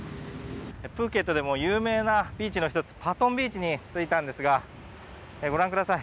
プーケットでも有名なビーチの１つパトン・ビーチに着いたんですがご覧ください